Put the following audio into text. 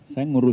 bapak lapor pak